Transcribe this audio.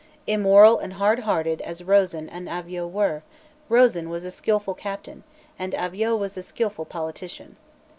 Immoral and hardhearted as Rosen and Avaux were, Rosen was a skilful captain, and Avaux was a skilful politician.